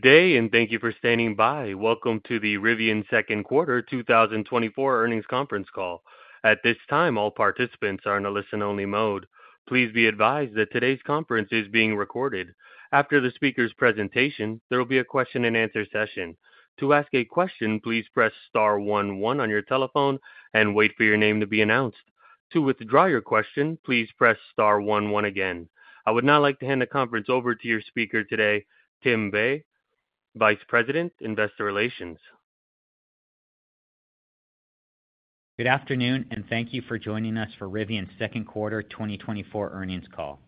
Good day, and thank you for standing by. Welcome to the Rivian Second Quarter 2024 Earnings Conference Call. At this time, all participants are in a listen-only mode. Please be advised that today's conference is being recorded. After the speaker's presentation, there will be a question-and-answer session. To ask a question, please press star one one on your telephone and wait for your name to be announced. To withdraw your question, please press star one one again. I would now like to hand the conference over to your speaker today, Tim Bei, Vice President, Investor Relations. Good afternoon, and thank you for joining us for Rivian's second quarter 2024 earnings call.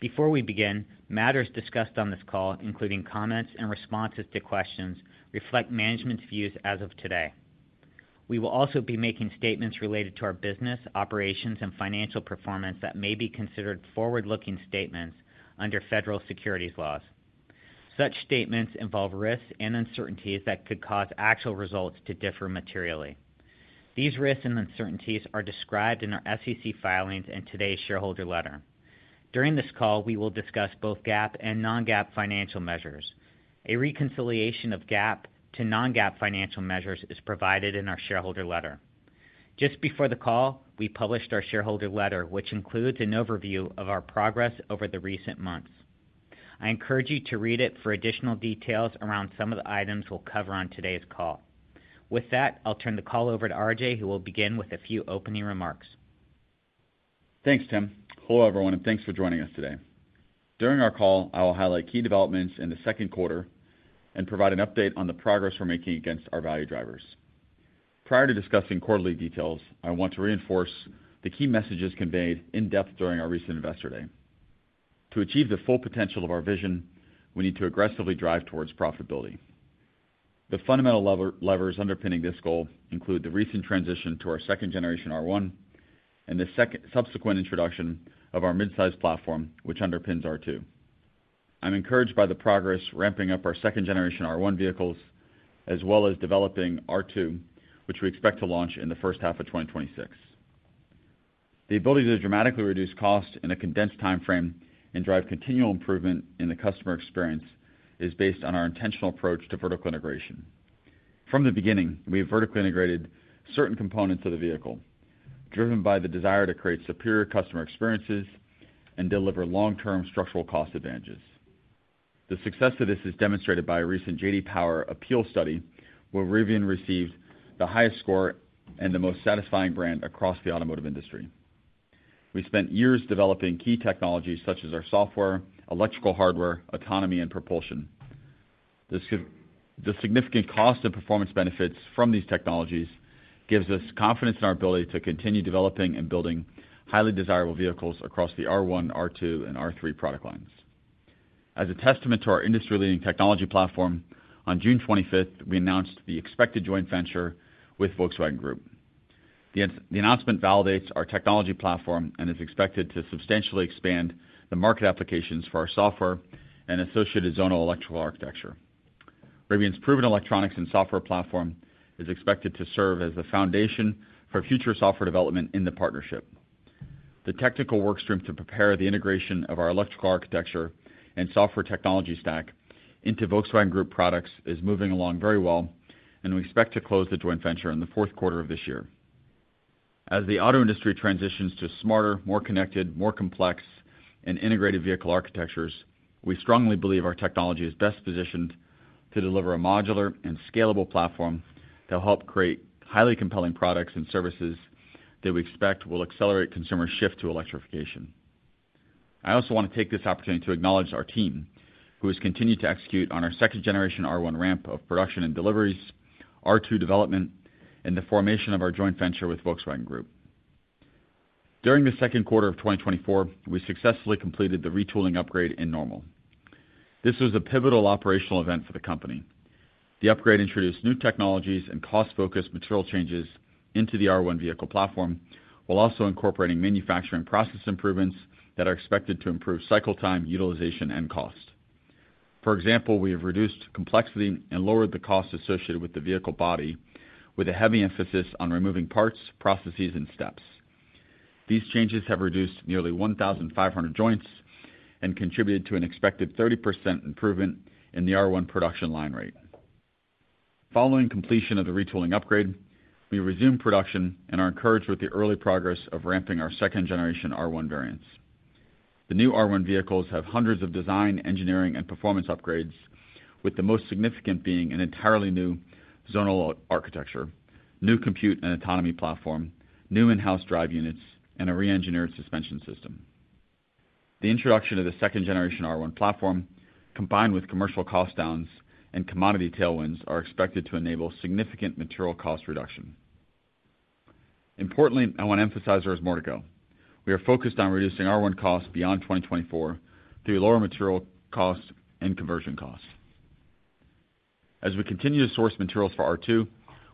Before we begin, matters discussed on this call, including comments and responses to questions, reflect management's views as of today. We will also be making statements related to our business, operations, and financial performance that may be considered forward-looking statements under federal securities laws. Such statements involve risks and uncertainties that could cause actual results to differ materially. These risks and uncertainties are described in our SEC filings and today's shareholder letter. During this call, we will discuss both GAAP and non-GAAP financial measures. A reconciliation of GAAP to non-GAAP financial measures is provided in our shareholder letter. Just before the call, we published our shareholder letter, which includes an overview of our progress over the recent months. I encourage you to read it for additional details around some of the items we'll cover on today's call. With that, I'll turn the call over to RJ, who will begin with a few opening remarks. Thanks, Tim. Hello, everyone, and thanks for joining us today. During our call, I will highlight key developments in the second quarter and provide an update on the progress we're making against our value drivers. Prior to discussing quarterly details, I want to reinforce the key messages conveyed in-depth during our recent Investor Day. To achieve the full potential of our vision, we need to aggressively drive towards profitability. The fundamental lever, levers underpinning this goal include the recent transition to our second generation R1 and the subsequent introduction of our mid-size platform, which underpins R2. I'm encouraged by the progress ramping up our second generation R1 vehicles, as well as developing R2, which we expect to launch in the first half of 2026. The ability to dramatically reduce cost in a condensed timeframe and drive continual improvement in the customer experience is based on our intentional approach to vertical integration. From the beginning, we have vertically integrated certain components of the vehicle, driven by the desire to create superior customer experiences and deliver long-term structural cost advantages. The success of this is demonstrated by a recent J.D. Power APEAL study, where Rivian received the highest score and the most satisfying brand across the automotive industry. We spent years developing key technologies such as our software, electrical hardware, autonomy, and propulsion. The significant cost and performance benefits from these technologies gives us confidence in our ability to continue developing and building highly desirable vehicles across the R1, R2, and R3 product lines. As a testament to our industry-leading technology platform, on June 25, we announced the expected joint venture with Volkswagen Group. The announcement validates our technology platform and is expected to substantially expand the market applications for our software and associated zonal electrical architecture. Rivian's proven electronics and software platform is expected to serve as the foundation for future software development in the partnership. The technical workstream to prepare the integration of our electrical architecture and software technology stack into Volkswagen Group products is moving along very well, and we expect to close the joint venture in the fourth quarter of this year. As the auto industry transitions to smarter, more connected, more complex, and integrated vehicle architectures, we strongly believe our technology is best positioned to deliver a modular and scalable platform that will help create highly compelling products and services that we expect will accelerate consumer shift to electrification. I also want to take this opportunity to acknowledge our team, who has continued to execute on our second generation R1 ramp of production and deliveries, R2 development, and the formation of our joint venture with Volkswagen Group. During the second quarter of 2024, we successfully completed the retooling upgrade in Normal. This was a pivotal operational event for the company. The upgrade introduced new technologies and cost-focused material changes into the R1 vehicle platform, while also incorporating manufacturing process improvements that are expected to improve cycle time, utilization, and cost. For example, we have reduced complexity and lowered the cost associated with the vehicle body, with a heavy emphasis on removing parts, processes, and steps. These changes have reduced nearly 1,500 joints and contributed to an expected 30% improvement in the R1 production line rate. Following completion of the retooling upgrade, we resumed production and are encouraged with the early progress of ramping our second generation R1 variants. The new R1 vehicles have hundreds of design, engineering, and performance upgrades, with the most significant being an entirely new zonal architecture, new compute and autonomy platform, new in-house drive units, and a re-engineered suspension system. The introduction of the second generation R1 platform, combined with commercial cost downs and commodity tailwinds, are expected to enable significant material cost reduction. Importantly, I want to emphasize there is more to go. We are focused on reducing R1 costs beyond 2024 through lower material costs and conversion costs. As we continue to source materials for R2,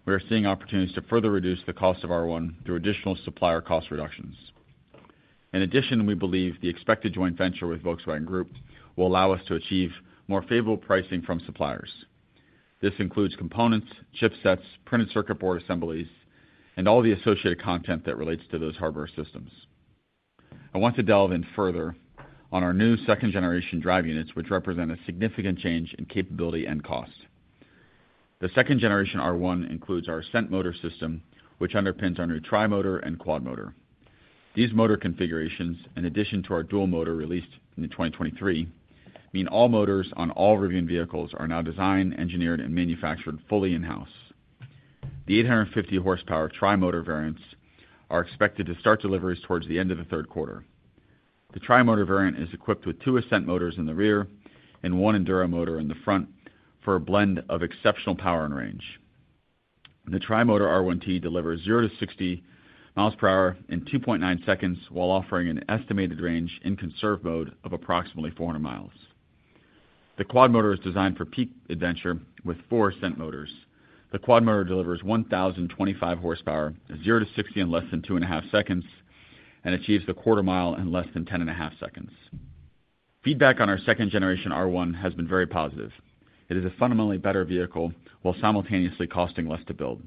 we are seeing opportunities to further reduce the cost of R1 through additional supplier cost reductions. In addition, we believe the expected joint venture with Volkswagen Group will allow us to achieve more favorable pricing from suppliers. This includes components, chipsets, printed circuit board assemblies, and all the associated content that relates to those hardware systems. I want to delve in further on our new second generation drive units, which represent a significant change in capability and cost. The second generation R1 includes our Ascend motor system, which underpins our new Tri-Motor and Quad-Motor. These motor configurations, in addition to our Dual Motor released in 2023, mean all motors on all Rivian vehicles are now designed, engineered, and manufactured fully in-house. The 850 horsepower Tri-Motor variants are expected to start deliveries towards the end of the third quarter. The Tri-Motor variant is equipped with two Ascend motors in the rear and one Enduro motor in the front for a blend of exceptional power and range. The Tri-Motor R1T delivers 0 to 60 miles per hour in 2.9 seconds, while offering an estimated range in conserve mode of approximately 400 miles. The Quad-Motor is designed for peak adventure with four Ascend motors. The Quad-Motor delivers 1,025 horsepower, 0 to 60 in less than 2.5 seconds, and achieves the quarter mile in less than 10.5 seconds. Feedback on our second generation R1 has been very positive. It is a fundamentally better vehicle while simultaneously costing less to build.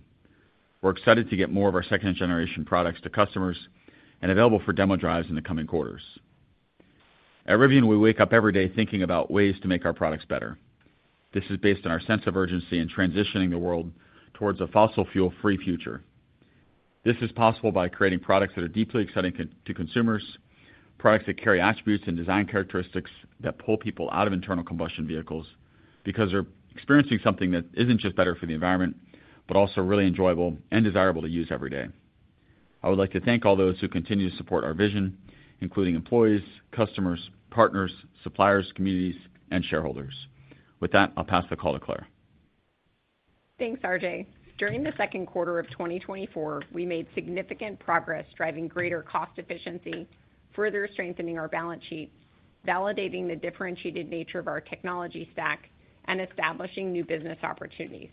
We're excited to get more of our second generation products to customers and available for demo drives in the coming quarters. At Rivian, we wake up every day thinking about ways to make our products better. This is based on our sense of urgency in transitioning the world towards a fossil fuel-free future. This is possible by creating products that are deeply exciting to consumers, products that carry attributes and design characteristics that pull people out of internal combustion vehicles, because they're experiencing something that isn't just better for the environment, but also really enjoyable and desirable to use every day. I would like to thank all those who continue to support our vision, including employees, customers, partners, suppliers, communities, and shareholders. With that, I'll pass the call to Claire. Thanks, RJ. During the second quarter of 2024, we made significant progress driving greater cost efficiency, further strengthening our balance sheet, validating the differentiated nature of our technology stack, and establishing new business opportunities.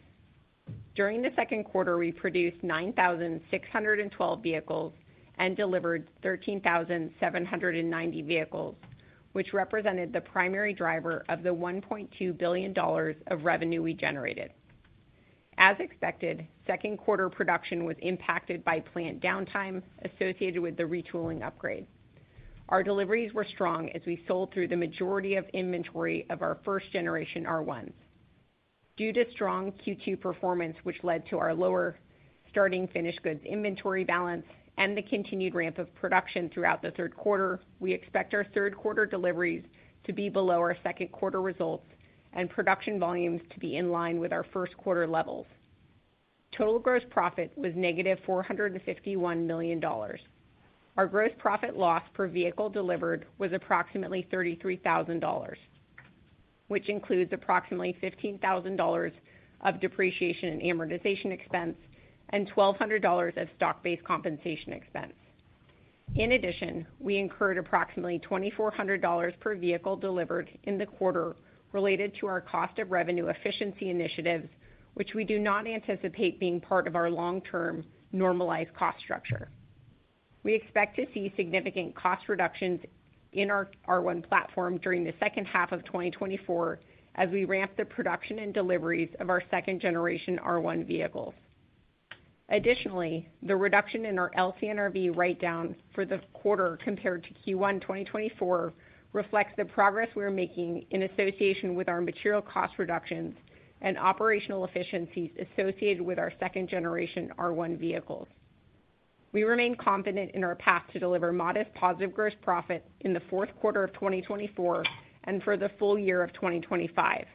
During the second quarter, we produced 9,612 vehicles and delivered 13,790 vehicles, which represented the primary driver of the $1.2 billion of revenue we generated. As expected, second quarter production was impacted by plant downtime associated with the retooling upgrade. Our deliveries were strong as we sold through the majority of inventory of our first generation R1s. Due to strong Q2 performance, which led to our lower starting finished goods inventory balance and the continued ramp of production throughout the third quarter, we expect our third quarter deliveries to be below our second quarter results and production volumes to be in line with our first quarter levels. Total gross profit was negative $451 million. Our gross profit loss per vehicle delivered was approximately $33,000, which includes approximately $15,000 of depreciation and amortization expense and $1,200 of stock-based compensation expense. In addition, we incurred approximately $2,400 per vehicle delivered in the quarter related to our cost of revenue efficiency initiatives, which we do not anticipate being part of our long-term normalized cost structure. We expect to see significant cost reductions in our R1 platform during the second half of 2024 as we ramp the production and deliveries of our second generation R1 vehicles. Additionally, the reduction in our LCNRV write-down for the quarter compared to Q1 2024, reflects the progress we are making in association with our material cost reductions and operational efficiencies associated with our second generation R1 vehicles. We remain confident in our path to deliver modest positive gross profit in the fourth quarter of 2024 and for the full year of 2025.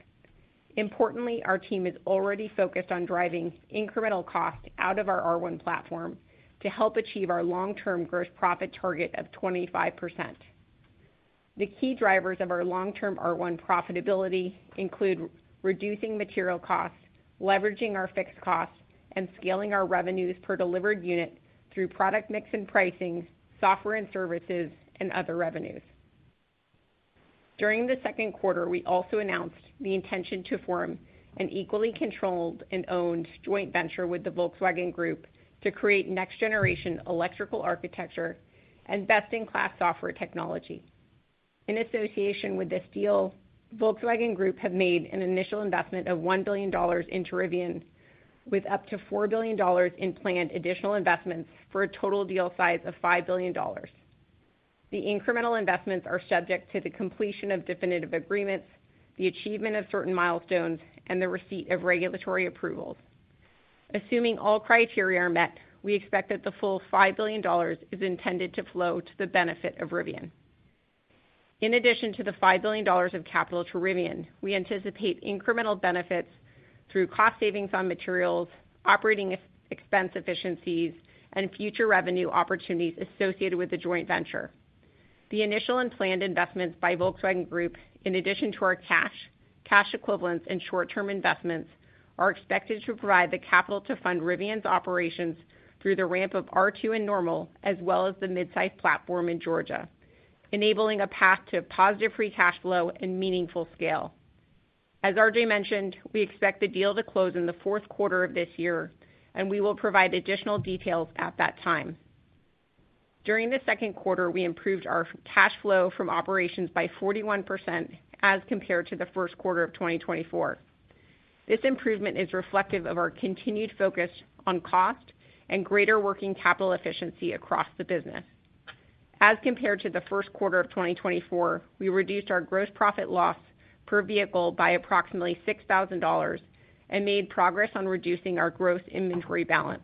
Importantly, our team is already focused on driving incremental cost out of our R1 platform to help achieve our long-term gross profit target of 25%. The key drivers of our long-term R1 profitability include reducing material costs, leveraging our fixed costs, and scaling our revenues per delivered unit through product mix and pricing, software and services, and other revenues. During the second quarter, we also announced the intention to form an equally controlled and owned joint venture with the Volkswagen Group to create next generation electrical architecture and best-in-class software technology. In association with this deal, Volkswagen Group have made an initial investment of $1 billion into Rivian, with up to $4 billion in planned additional investments for a total deal size of $5 billion. The incremental investments are subject to the completion of definitive agreements, the achievement of certain milestones, and the receipt of regulatory approvals. Assuming all criteria are met, we expect that the full $5 billion is intended to flow to the benefit of Rivian. In addition to the $5 billion of capital to Rivian, we anticipate incremental benefits through cost savings on materials, operating expense efficiencies, and future revenue opportunities associated with the joint venture. The initial and planned investments by Volkswagen Group, in addition to our cash, cash equivalents, and short-term investments, are expected to provide the capital to fund Rivian's operations through the ramp of R2 and Normal, as well as the mid-size platform in Georgia, enabling a path to positive free cash flow and meaningful scale. As RJ mentioned, we expect the deal to close in the fourth quarter of this year, and we will provide additional details at that time. During the second quarter, we improved our cash flow from operations by 41% as compared to the first quarter of 2024. This improvement is reflective of our continued focus on cost and greater working capital efficiency across the business. As compared to the first quarter of 2024, we reduced our gross profit loss per vehicle by approximately $6,000 and made progress on reducing our gross inventory balance.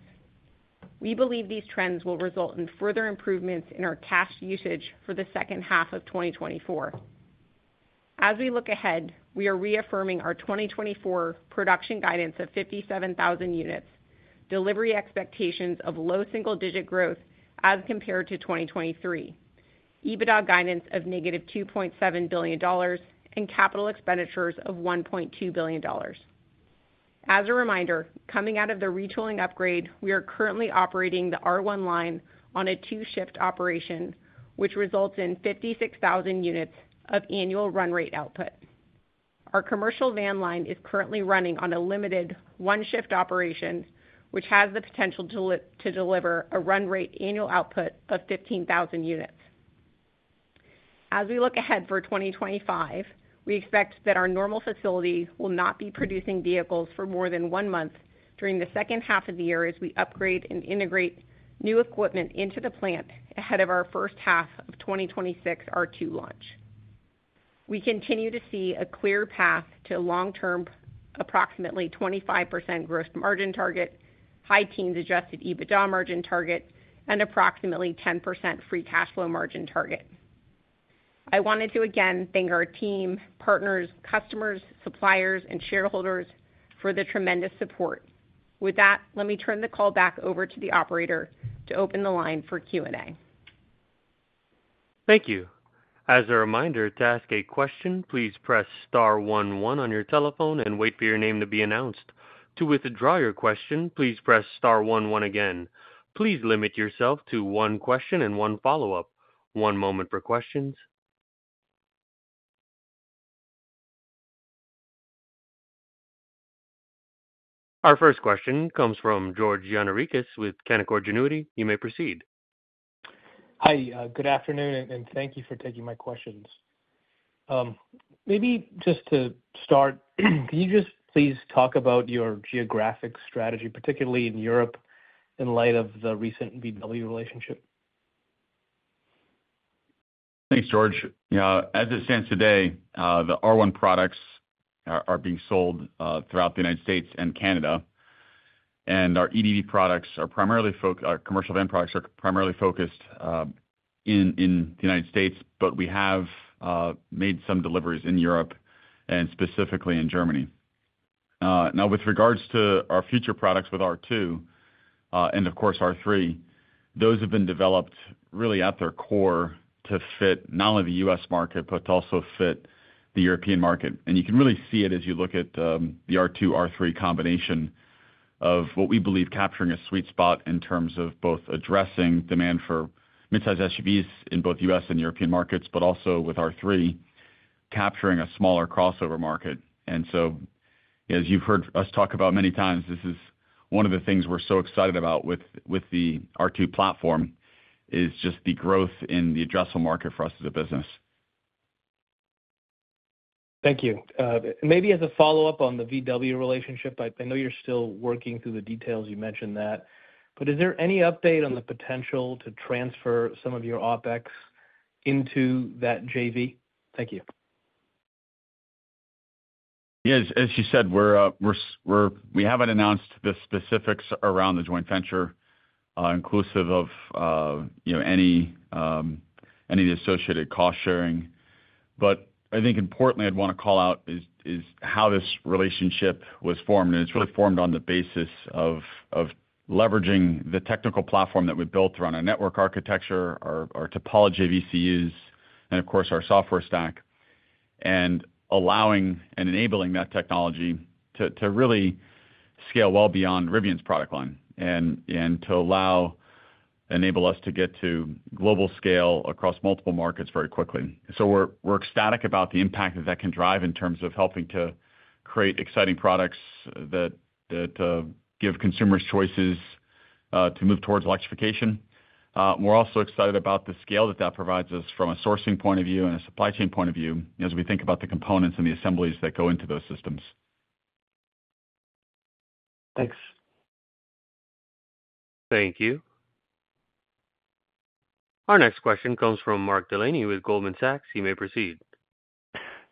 We believe these trends will result in further improvements in our cash usage for the second half of 2024. As we look ahead, we are reaffirming our 2024 production guidance of 57,000 units, delivery expectations of low single-digit growth as compared to 2023, EBITDA guidance of -$2.7 billion, and capital expenditures of $1.2 billion. As a reminder, coming out of the retooling upgrade, we are currently operating the R1 line on a two-shift operation, which results in 56,000 units of annual run rate output. Our commercial van line is currently running on a limited one-shift operation, which has the potential to deliver a run rate annual output of 15,000 units. As we look ahead for 2025, we expect that our Normal facility will not be producing vehicles for more than one month during the second half of the year, as we upgrade and integrate new equipment into the plant ahead of our first half of 2026 R2 launch. We continue to see a clear path to long-term, approximately 25% Gross Margin target, high teens Adjusted EBITDA margin target, and approximately 10% Free Cash Flow margin target. I wanted to again thank our team, partners, customers, suppliers, and shareholders for the tremendous support. With that, let me turn the call back over to the operator to open the line for Q&A. Thank you. As a reminder, to ask a question, please press star one one on your telephone and wait for your name to be announced. To withdraw your question, please press star one one again. Please limit yourself to one question and one follow-up. One moment for questions. Our first question comes from George Gianarikas with Canaccord Genuity. You may proceed. Hi, good afternoon, and thank you for taking my questions. Maybe just to start, can you just please talk about your geographic strategy, particularly in Europe, in light of the recent VW relationship? Thanks, George. Yeah, as it stands today, the R1 products are being sold throughout the United States and Canada, and our EDV products are primarily foc-- Our commercial van products are primarily focused in the United States, but we have made some deliveries in Europe and specifically in Germany. Now, with regards to our future products with R2, and of course, R3, those have been developed really at their core to fit not only the U.S. market, but to also fit the European market. And you can really see it as you look at the R2, R3 combination of what we believe capturing a sweet spot in terms of both addressing demand for mid-size SUVs in both U.S. and European markets, but also with R3, capturing a smaller crossover market. And so, as you've heard us talk about many times, this is one of the things we're so excited about with, with the R2 platform, is just the growth in the addressable market for us as a business. Thank you. Maybe as a follow-up on the VW relationship, I know you're still working through the details, you mentioned that. But is there any update on the potential to transfer some of your OpEx into that JV? Thank you. Yes, as you said, we haven't announced the specifics around the joint venture, inclusive of, you know, any associated cost sharing. But I think importantly, I'd want to call out is how this relationship was formed, and it's really formed on the basis of leveraging the technical platform that we've built around our network architecture, our topology VCUs, and of course, our software stack, and allowing and enabling that technology to really scale well beyond Rivian's product line, and to allow enable us to get to global scale across multiple markets very quickly. So we're ecstatic about the impact that that can drive in terms of helping to create exciting products that give consumers choices to move towards electrification. We're also excited about the scale that that provides us from a sourcing point of view and a supply chain point of view, as we think about the components and the assemblies that go into those systems. Thanks. Thank you. Our next question comes from Mark Delaney with Goldman Sachs. You may proceed.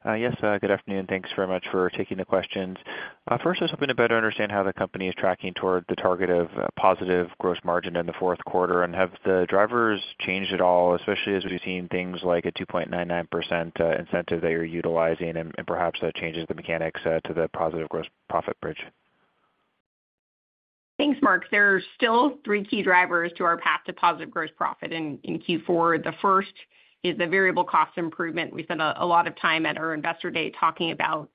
Yes, good afternoon. Thanks very much for taking the questions. First, I was hoping to better understand how the company is tracking toward the target of positive gross margin in the fourth quarter. Have the drivers changed at all, especially as we've seen things like a 2.99% incentive that you're utilizing and perhaps that changes the mechanics to the positive gross profit bridge? Thanks, Mark. There are still three key drivers to our path to positive gross profit in Q4. The first is the variable cost improvement. We spent a lot of time at our Investor Day talking about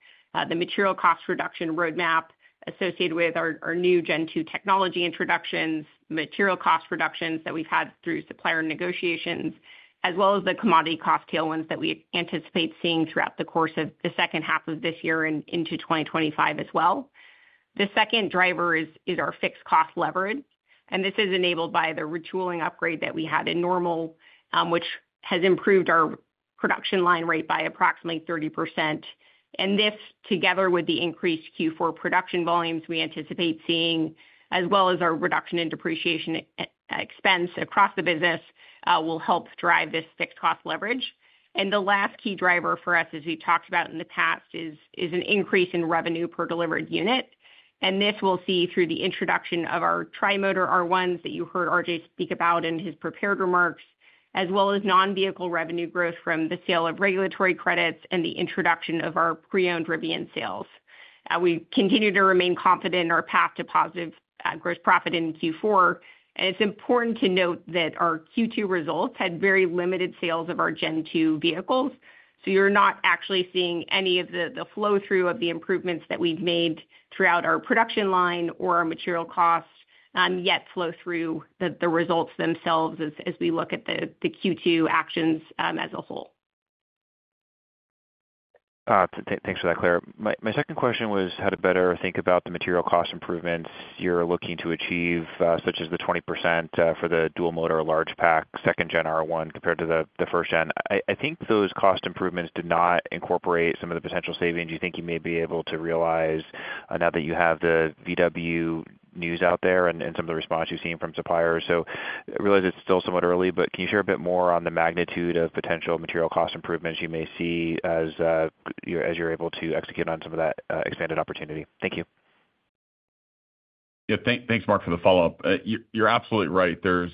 the material cost reduction roadmap associated with our new Gen 2 technology introductions, material cost reductions that we've had through supplier negotiations, as well as the commodity cost tailwinds that we anticipate seeing throughout the course of the second half of this year and into 2025 as well. The second driver is our fixed cost leverage, and this is enabled by the retooling upgrade that we had in Normal, which has improved our production line rate by approximately 30%. And this, together with the increased Q4 production volumes we anticipate seeing, as well as our reduction in depreciation expense across the business, will help drive this fixed cost leverage. And the last key driver for us, as we talked about in the past, is an increase in revenue per delivered unit. This we'll see through the introduction of our Tri-Motor R1S that you heard RJ speak about in his prepared remarks, as well as non-vehicle revenue growth from the sale of regulatory credits and the introduction of our pre-owned Rivian sales. We continue to remain confident in our path to positive gross profit in Q4, and it's important to note that our Q2 results had very limited sales of our Gen 2 vehicles. So you're not actually seeing any of the flow-through of the improvements that we've made throughout our production line or our material costs yet flow through the results themselves as we look at the Q2 actions as a whole. Thanks for that, Claire. My second question was how to better think about the material cost improvements you're looking to achieve, such as the 20% for the dual motor large pack, second gen R1 compared to the first gen. I think those cost improvements did not incorporate some of the potential savings you think you may be able to realize now that you have the VW news out there and some of the response you've seen from suppliers. So I realize it's still somewhat early, but can you share a bit more on the magnitude of potential material cost improvements you may see as you're able to execute on some of that expanded opportunity? Thank you. Yeah, thanks, Mark, for the follow-up. You're absolutely right. There's,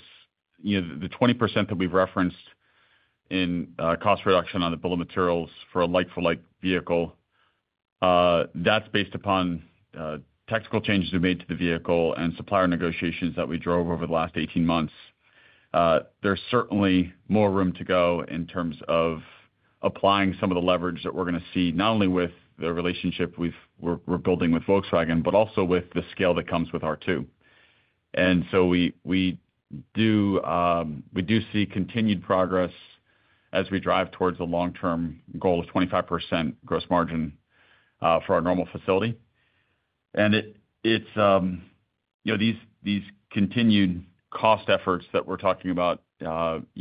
you know, the 20% that we've referenced in cost reduction on the bill of materials for a like-for-like vehicle, that's based upon technical changes we made to the vehicle and supplier negotiations that we drove over the last 18 months. There's certainly more room to go in terms of applying some of the leverage that we're gonna see, not only with the relationship we're building with Volkswagen, but also with the scale that comes with R2. And so we do see continued progress as we drive towards the long-term goal of 25% gross margin for our Normal facility. It's, you know, these continued cost efforts that we're talking about, you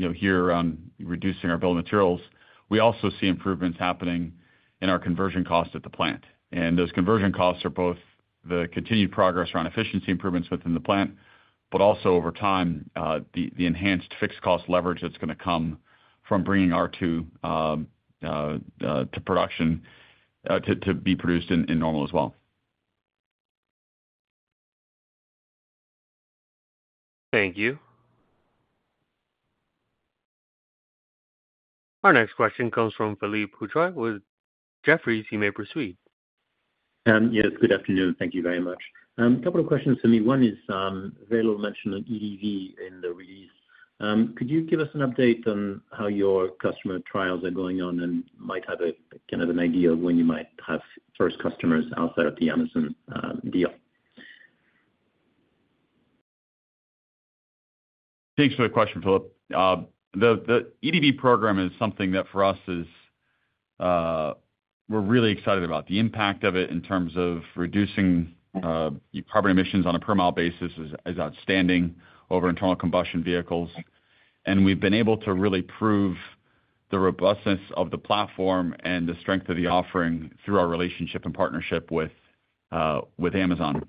know, here on reducing our Bill of Materials. We also see improvements happening in our Conversion Costs at the plant. Those Conversion Costs are both the continued progress around efficiency improvements within the plant, but also over time, the enhanced fixed cost leverage that's gonna come from bringing R2 to production, to be produced in Normal as well. Thank you. Our next question comes from Philippe Houchois with Jefferies. You may proceed. Yes, good afternoon. Thank you very much. A couple of questions for me. One is, you mentioned an EDV in the release. Could you give us an update on how your customer trials are going on and might have a, kind of, an idea of when you might have first customers outside of the Amazon deal? Thanks for the question, Philippe. The EDV program is something that for us is, we're really excited about. The impact of it in terms of reducing carbon emissions on a per mile basis is outstanding over internal combustion vehicles. And we've been able to really prove the robustness of the platform and the strength of the offering through our relationship and partnership with Amazon.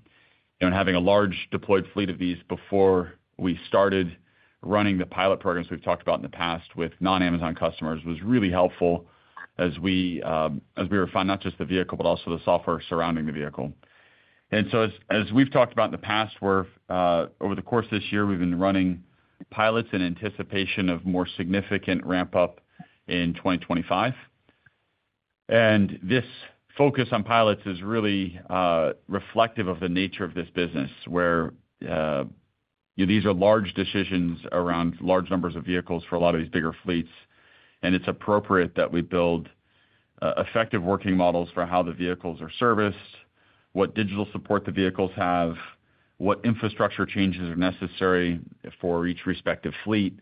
And having a large deployed fleet of these before we started running the pilot programs we've talked about in the past with non-Amazon customers was really helpful as we refined not just the vehicle, but also the software surrounding the vehicle. And so as we've talked about in the past, we're over the course of this year, we've been running pilots in anticipation of more significant ramp-up in 2025. This focus on pilots is really reflective of the nature of this business, where these are large decisions around large numbers of vehicles for a lot of these bigger fleets. It's appropriate that we build effective working models for how the vehicles are serviced, what digital support the vehicles have, what infrastructure changes are necessary for each respective fleet.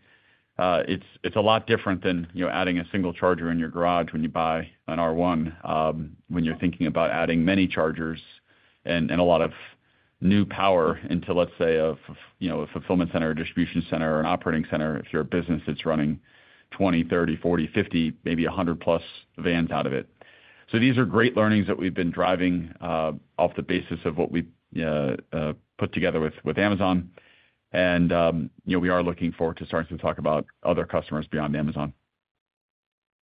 It's a lot different than, you know, adding a single charger in your garage when you buy an R1, when you're thinking about adding many chargers and a lot of new power into, let's say, you know, a fulfillment center or distribution center or an operating center, if you're a business that's running 20, 30, 40, 50, maybe a hundred-plus vans out of it. These are great learnings that we've been driving off the basis of what we put together with Amazon. You know, we are looking forward to starting to talk about other customers beyond Amazon.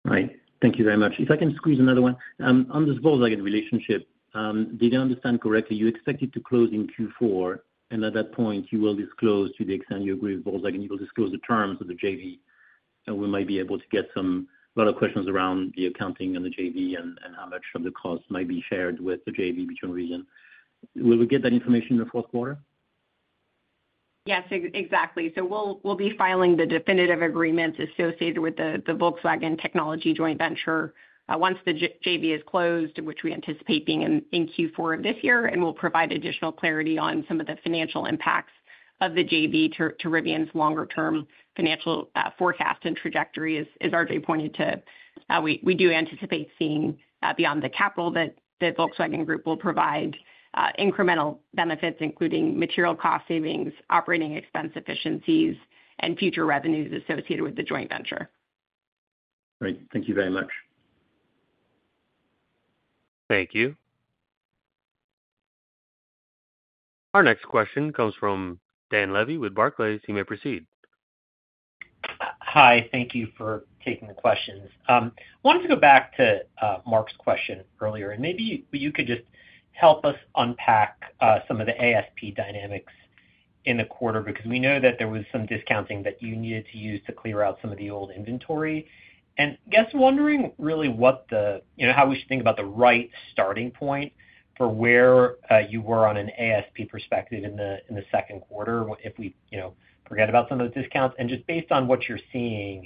Right. Thank you very much. If I can squeeze another one? On this Volkswagen relationship, did I understand correctly, you expect it to close in Q4, and at that point, you will disclose to the extent you agree with Volkswagen, you will disclose the terms of the JV, and we might be able to get a lot of questions around the accounting and the JV and, and how much of the cost might be shared with the JV between region. Will we get that information in the fourth quarter? Yes, exactly. So we'll be filing the definitive agreements associated with the Volkswagen technology joint venture once the JV is closed, which we anticipate being in Q4 of this year, and we'll provide additional clarity on some of the financial impacts of the JV to Rivian's longer term financial forecast and trajectory, as RJ pointed to, we do anticipate seeing beyond the capital that Volkswagen Group will provide incremental benefits, including material cost savings, operating expense efficiencies, and future revenues associated with the joint venture. Great. Thank you very much. Thank you. Our next question comes from Dan Levy with Barclays. You may proceed. Hi, thank you for taking the questions. Wanted to go back to Mark's question earlier, and maybe you could just help us unpack some of the ASP dynamics in the quarter, because we know that there was some discounting that you needed to use to clear out some of the old inventory. You know, how we should think about the right starting point for where you were on an ASP perspective in the second quarter, if we, you know, forget about some of the discounts. Just based on what you're seeing,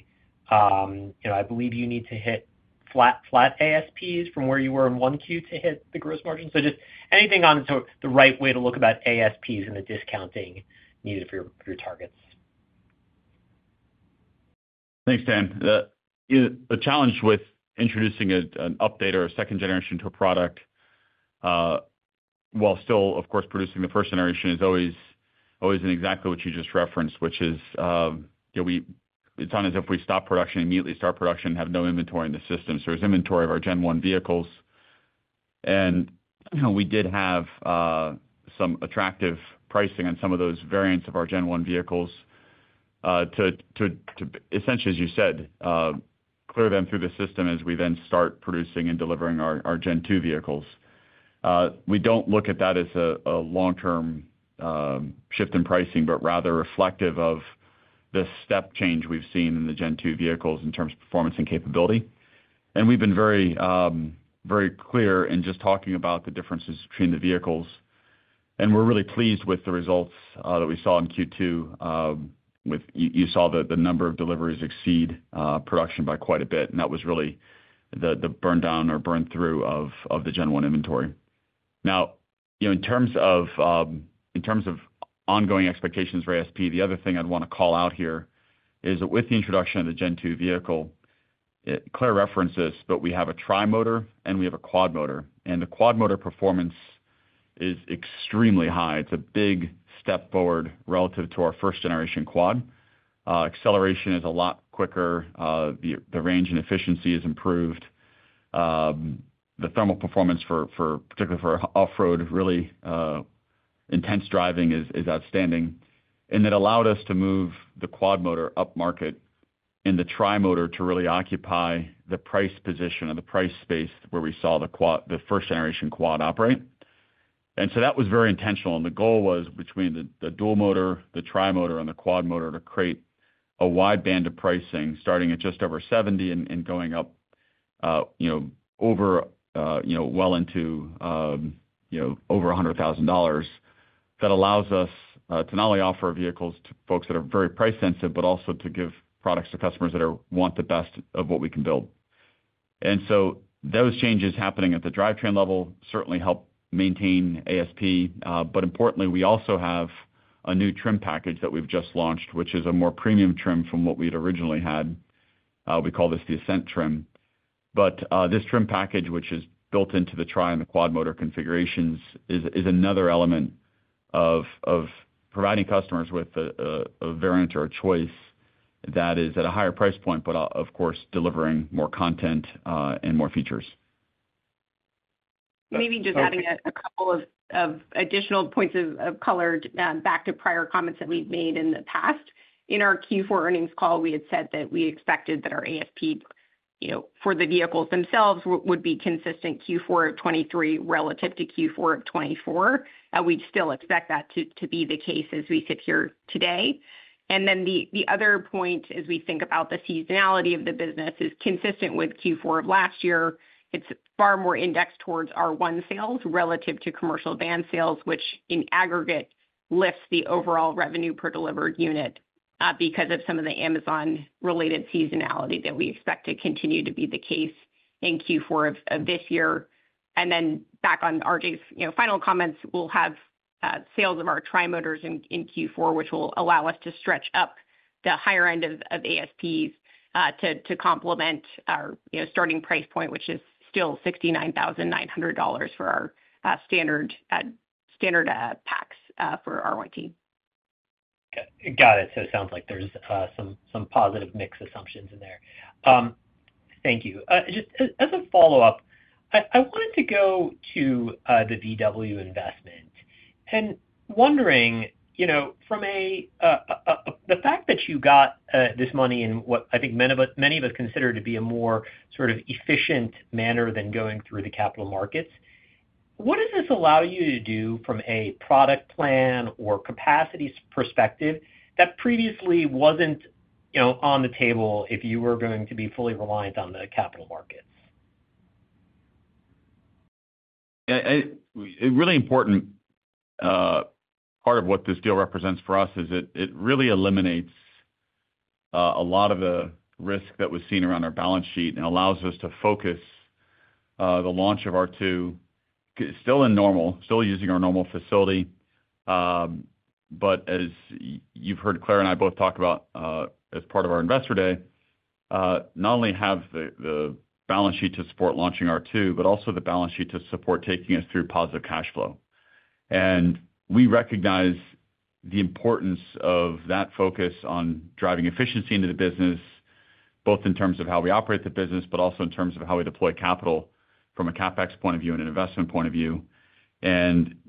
you know, I believe you need to hit flat, flat ASPs from where you were in 1Q to hit the gross margin. So just anything on sort of the right way to look about ASPs and the discounting needed for your targets. Thanks, Dan. The challenge with introducing an update or a second generation to a product, while still, of course, producing the first generation, is always in exactly what you just referenced, which is, you know, it's not as if we stop production, immediately start production, and have no inventory in the system. So there's inventory of our Gen 1 vehicles. And, you know, we did have some attractive pricing on some of those variants of our Gen 1 vehicles, to essentially, as you said, clear them through the system as we then start producing and delivering our Gen 2 vehicles. We don't look at that as a long-term shift in pricing, but rather reflective of the step change we've seen in the Gen 2 vehicles in terms of performance and capability. We've been very clear in just talking about the differences between the vehicles, and we're really pleased with the results that we saw in Q2. With you saw the number of deliveries exceed production by quite a bit, and that was really the burn down or burn through of the Gen 1 inventory. Now, you know, in terms of ongoing expectations for ASP, the other thing I'd want to call out here is that with the introduction of the Gen 2 vehicle, Claire referenced this, but we have a Tri-Motor and we have a Quad-Motor, and the Quad-Motor performance is extremely high. It's a big step forward relative to our first-generation quad. Acceleration is a lot quicker, the range and efficiency is improved. The thermal performance for particularly for off-road really intense driving is outstanding, and it allowed us to move the Quad-Motor upmarket and the Tri-Motor to really occupy the price position or the price space where we saw the quad, the first-generation quad operate. And so that was very intentional, and the goal was between the dual motor, the Tri-Motor, and the quad motor to create a wide band of pricing, starting at just over $70,000 and going up, you know, over, you know, well into, you know, over $100,000. That allows us to not only offer vehicles to folks that are very price sensitive, but also to give products to customers that want the best of what we can build. Those changes happening at the drivetrain level certainly help maintain ASP, but importantly, we also have a new trim package that we've just launched, which is a more premium trim from what we'd originally had. We call this the Ascend trim. But this trim package, which is built into the tri- and the Quad-Motor configurations, is another element of providing customers with a variant or a choice that is at a higher price point, but of course, delivering more content and more features. Maybe just adding a couple of additional points of color back to prior comments that we've made in the past. In our Q4 earnings call, we had said that we expected that our ASP, you know, for the vehicles themselves, would be consistent Q4 of 2023 relative to Q4 of 2024, and we'd still expect that to be the case as we sit here today. And then the other point, as we think about the seasonality of the business, is consistent with Q4 of last year. It's far more indexed towards our R1 sales relative to commercial van sales, which in aggregate, lifts the overall revenue per delivered unit, because of some of the Amazon-related seasonality that we expect to continue to be the case in Q4 of this year. Then back on RJ's, you know, final comments, we'll have sales of our Tri-Motors in Q4, which will allow us to stretch up the higher end of ASPs to complement our, you know, starting price point, which is still $69,900 for our standard packs for our R1T. Okay. Got it. So it sounds like there's some positive mix assumptions in there. Thank you. Just as a follow-up, I wanted to go to the VW investment. And wondering, you know, from a... The fact that you got this money in what I think many of us consider to be a more sort of efficient manner than going through the capital markets, what does this allow you to do from a product plan or capacity s- perspective that previously wasn't, you know, on the table if you were going to be fully reliant on the capital markets? Yeah, a really important part of what this deal represents for us is it really eliminates a lot of the risk that was seen around our balance sheet and allows us to focus the launch of R2, still in Normal, still using our Normal facility. But as you've heard Claire and I both talk about, as part of our investor day, not only have the balance sheet to support launching R2, but also the balance sheet to support taking us through positive cash flow. And we recognize the importance of that focus on driving efficiency into the business, both in terms of how we operate the business, but also in terms of how we deploy capital from a CapEx point of view and an investment point of view. You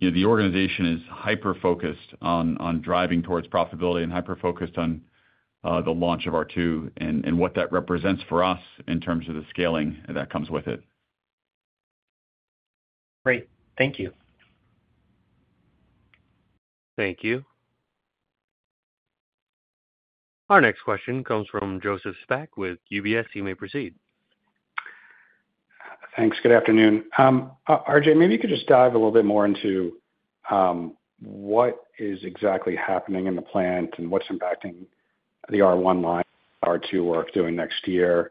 know, the organization is hyper-focused on driving towards profitability and hyper-focused on the launch of R2 and what that represents for us in terms of the scaling that comes with it. Great. Thank you. Thank you. Our next question comes from Joseph Spak with UBS. You may proceed. Thanks. Good afternoon. RJ, maybe you could just dive a little bit more into what is exactly happening in the plant and what's impacting the R1 line, R2 work doing next year?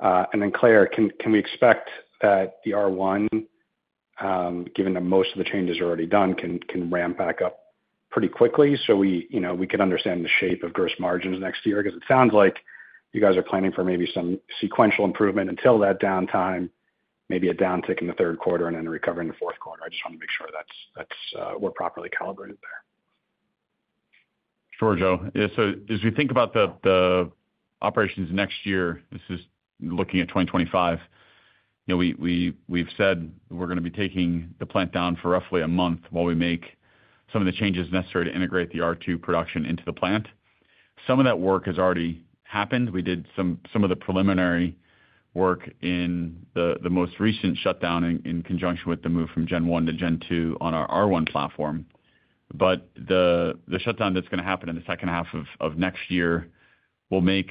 And then, Claire, can we expect that the R1, given that most of the changes are already done, can ramp back up pretty quickly so we, you know, we could understand the shape of gross margins next year? Because it sounds like you guys are planning for maybe some sequential improvement until that downtime, maybe a downtick in the third quarter and then a recovery in the fourth quarter. I just want to make sure that's we're properly calibrated there. Sure, Joe. Yeah, so as we think about the operations next year, this is looking at 2025, you know, we've said we're gonna be taking the plant down for roughly a month while we make some of the changes necessary to integrate the R2 production into the plant. Some of that work has already happened. We did some of the preliminary work in the most recent shutdown in conjunction with the move from Gen 1 to Gen 2 on our R1 platform. But the shutdown that's gonna happen in the second half of next year will make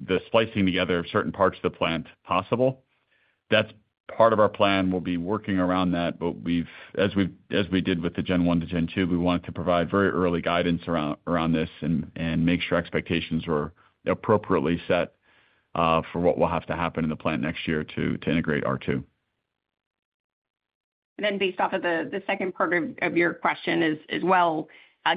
the splicing together of certain parts of the plant possible. That's part of our plan. We'll be working around that, but as we did with the Gen 1 to Gen 2, we wanted to provide very early guidance around this and make sure expectations are appropriately set for what will have to happen in the plant next year to integrate R2. Then based off of the second part of your question is, well,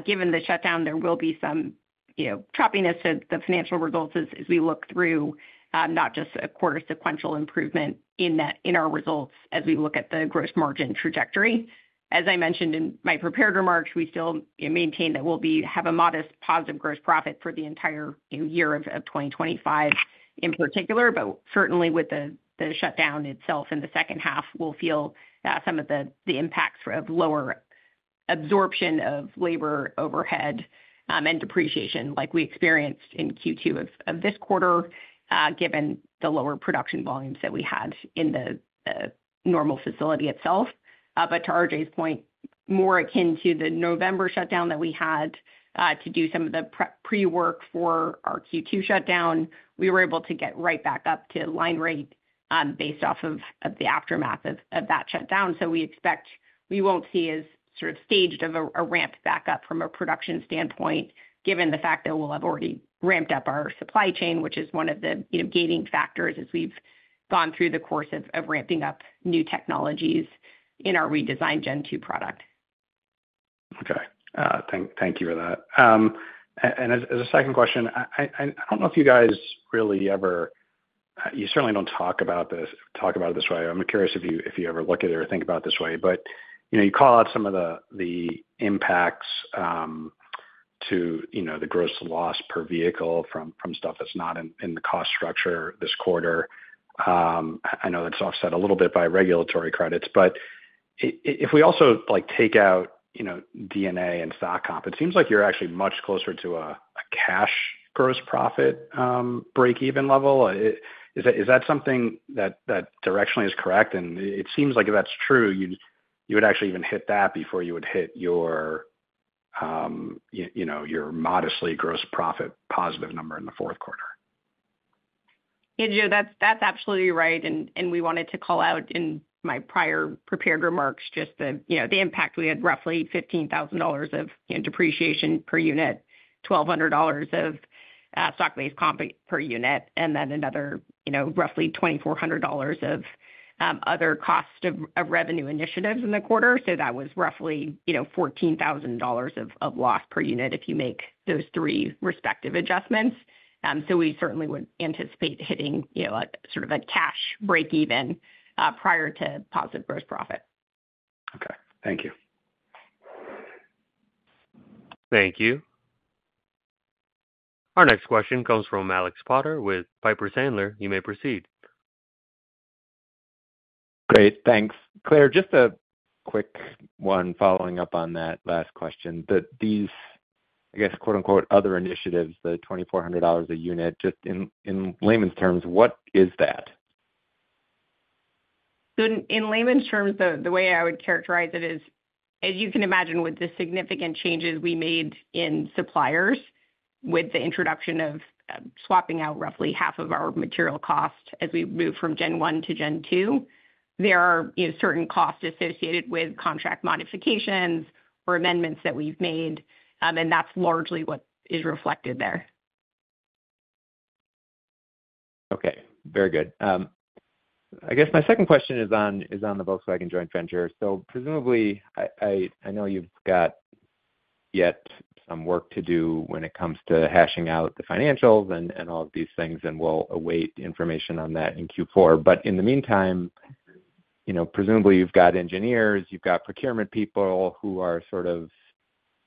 given the shutdown, there will be some, you know, choppiness of the financial results as we look through, not just a quarter sequential improvement in that, in our results as we look at the gross margin trajectory. As I mentioned in my prepared remarks, we still maintain that we'll have a modest positive gross profit for the entire, you know, year of 2025 in particular. But certainly with the shutdown itself in the second half, we'll feel some of the impacts of lower absorption of labor overhead and depreciation like we experienced in Q2 of this quarter, given the lower production volumes that we had in the Normal facility itself. But to RJ's point, more akin to the November shutdown that we had to do some of the prework for our Q2 shutdown, we were able to get right back up to line rate, based off of the aftermath of that shutdown. So we expect we won't see as staged a ramp back up from a production standpoint, given the fact that we'll have already ramped up our supply chain, which is one of the, you know, gating factors as we've gone through the course of ramping up new technologies in our redesigned Gen 2 product. Okay. Thank you for that. And as a second question, I don't know if you guys really ever, you certainly don't talk about it this way. I'm curious if you ever look at it or think about it this way, but you know, you call out some of the impacts to you know, the gross loss per vehicle from stuff that's not in the cost structure this quarter. I know that's offset a little bit by regulatory credits, but if we also, like, take out, you know, D&A and stock comp, it seems like you're actually much closer to a cash gross profit break-even level. Is that something that directionally is correct? It seems like if that's true, you'd, you would actually even hit that before you would hit your, you know, your modestly gross profit positive number in the fourth quarter. Yeah, Joe, that's, that's absolutely right. And, and we wanted to call out in my prior prepared remarks, just the, you know, the impact. We had roughly $15,000 of, you know, depreciation per unit, $1,200 of stock-based comp per unit, and then another, you know, roughly $2,400 of other cost of revenue initiatives in the quarter. So that was roughly, you know, $14,000 of loss per unit if you make those three respective adjustments. So we certainly would anticipate hitting, you know, a sort of a cash break even prior to positive gross profit. Okay. Thank you. Thank you. Our next question comes from Alex Potter with Piper Sandler. You may proceed. Great. Thanks. Claire, just a quick one following up on that last question. That these, I guess, quote, unquote, "other initiatives," the $2,400 a unit, just in, in layman's terms, what is that? So in layman's terms, the way I would characterize it is, as you can imagine, with the significant changes we made in suppliers, with the introduction of swapping out roughly half of our material cost as we move from Gen 1 to Gen 2, there are, you know, certain costs associated with contract modifications or amendments that we've made, and that's largely what is reflected there.... Okay, very good. I guess my second question is on the Volkswagen joint venture. So presumably, I know you've got yet some work to do when it comes to hashing out the financials and all of these things, and we'll await information on that in Q4. But in the meantime, you know, presumably you've got engineers, you've got procurement people who are sort of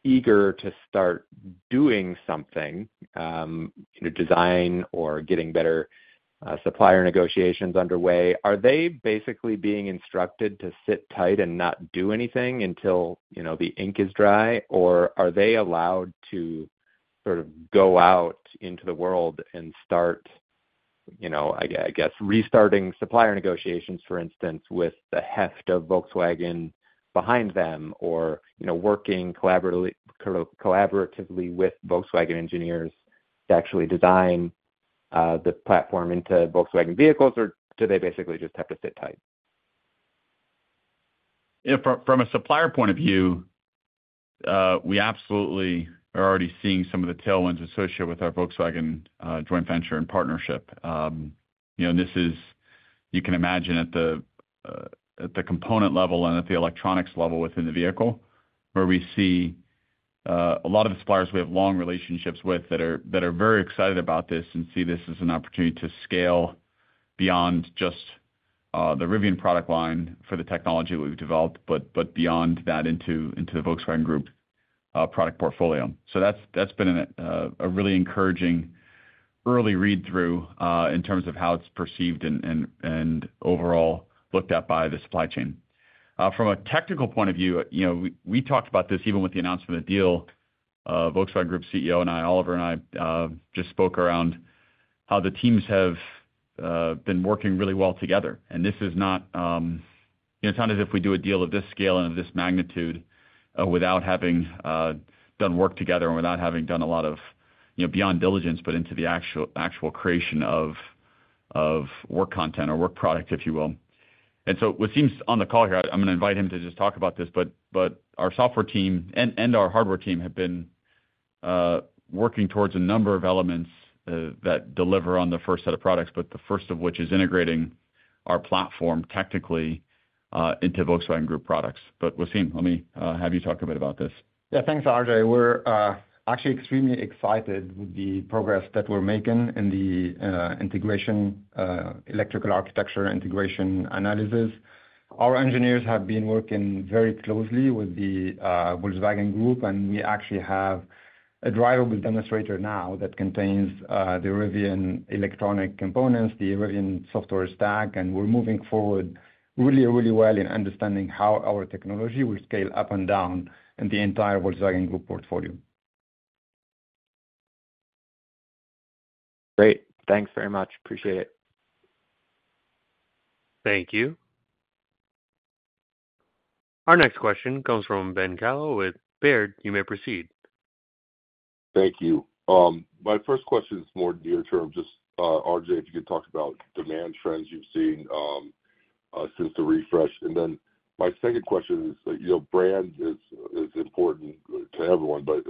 eager to start doing something, you know, design or getting better supplier negotiations underway. Are they basically being instructed to sit tight and not do anything until, you know, the ink is dry? Or are they allowed to sort of go out into the world and start, you know, I guess, restarting supplier negotiations, for instance, with the heft of Volkswagen behind them, or, you know, working collaboratively with Volkswagen engineers to actually design the platform into Volkswagen vehicles, or do they basically just have to sit tight? You know, from a supplier point of view, we absolutely are already seeing some of the tailwinds associated with our Volkswagen joint venture and partnership. You know, and this is, you can imagine at the component level and at the electronics level within the vehicle, where we see a lot of the suppliers we have long relationships with that are very excited about this and see this as an opportunity to scale beyond just the Rivian product line for the technology we've developed, but beyond that, into the Volkswagen Group product portfolio. So that's been a really encouraging early read-through in terms of how it's perceived and overall looked at by the supply chain. From a technical point of view, you know, we talked about this even with the announcement of the deal. Volkswagen Group CEO and I, Oliver and I, just spoke around how the teams have been working really well together. And this is not... You know, it's not as if we do a deal of this scale and of this magnitude without having done work together and without having done a lot of, you know, beyond diligence, but into the actual creation of work content or work product, if you will. And so Wassym's on the call here, I'm gonna invite him to just talk about this, but our software team and our hardware team have been working towards a number of elements that deliver on the first set of products, but the first of which is integrating our platform technically into Volkswagen Group products. But, Wassym, let me have you talk a bit about this. Yeah, thanks, RJ. We're actually extremely excited with the progress that we're making in the integration electrical architecture integration analysis. Our engineers have been working very closely with the Volkswagen Group, and we actually have a drivable demonstrator now that contains the Rivian electronic components, the Rivian software stack, and we're moving forward really, really well in understanding how our technology will scale up and down in the entire Volkswagen Group portfolio. Great. Thanks very much. Appreciate it. Thank you. Our next question comes from Ben Kallo with Baird. You may proceed. Thank you. My first question is more near term, just, RJ, if you could talk about demand trends you've seen since the refresh. And then my second question is, you know, brand is important to everyone, but,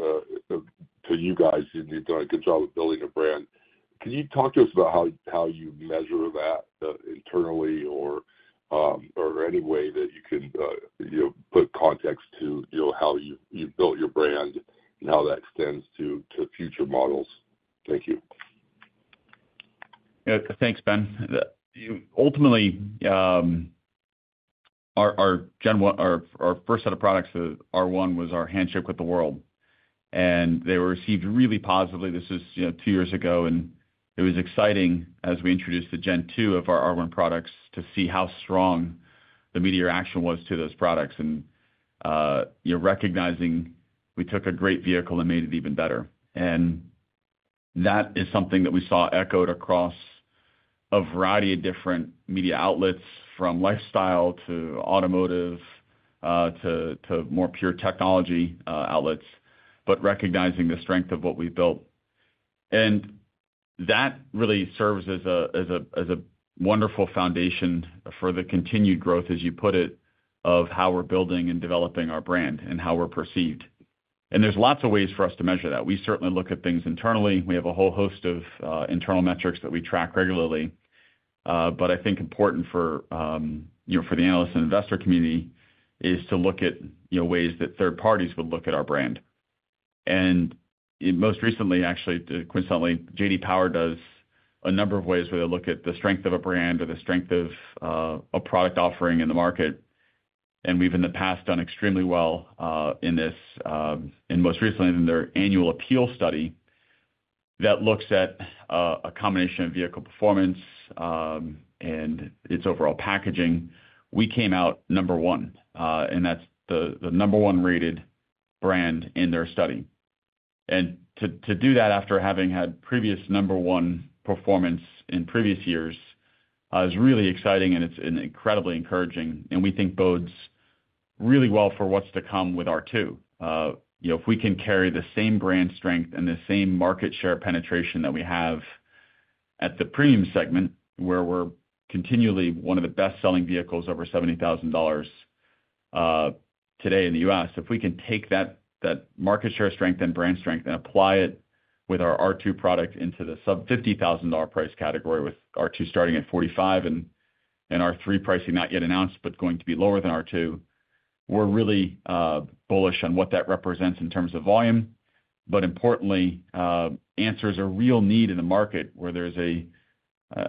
to you guys, you've done a good job of building a brand. Can you talk to us about how you measure that internally or, or any way that you can, you know, put context to, you know, how you've built your brand and how that extends to future models? Thank you. Yeah. Thanks, Ben. Ultimately, our Gen 1—our first set of products, the R1, was our handshake with the world, and they were received really positively. This is, you know, two years ago, and it was exciting as we introduced the Gen 2 of our R1 products to see how strong the media reaction was to those products and, you know, recognizing we took a great vehicle and made it even better. And that is something that we saw echoed across a variety of different media outlets, from lifestyle to automotive, to more pure technology outlets, but recognizing the strength of what we built. And that really serves as a wonderful foundation for the continued growth, as you put it, of how we're building and developing our brand and how we're perceived. There's lots of ways for us to measure that. We certainly look at things internally. We have a whole host of internal metrics that we track regularly. But I think important for, you know, for the analyst and investor community, is to look at, you know, ways that third parties would look at our brand. Most recently, actually, coincidentally, J.D. Power does a number of ways where they look at the strength of a brand or the strength of a product offering in the market. And we've, in the past, done extremely well in this, and most recently in their annual APEAL study that looks at a combination of vehicle performance and its overall packaging. We came out number one, and that's the number one rated brand in their study. To do that after having had previous number one performance in previous years is really exciting, and it's incredibly encouraging, and we think bodes really well for what's to come with R2. You know, if we can carry the same brand strength and the same market share penetration that we have at the premium segment, where we're continually one of the best-selling vehicles over $70,000 today in the U.S. If we can take that market share strength and brand strength and apply it with our R2 product into the sub-$50,000 price category, with R2 starting at $45,000 and R3 pricing not yet announced, but going to be lower than R2, we're really bullish on what that represents in terms of volume. But importantly, answers a real need in the market where there's a,